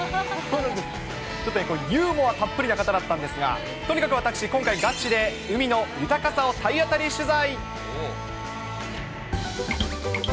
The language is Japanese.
ユーモアたっぷりな方だったんですが、とにかく私、今回、ガチで海の豊かさを体当たり取材。